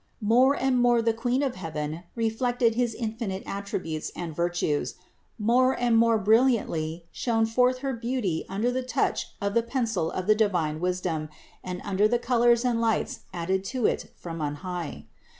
29. More and more the Queen of heaven reflected his infinite attributes and virtues; more and more brilliantly shone forth her beauty under the touch of the pencil of the divine Wisdom and under the colors and lights added to it from on high.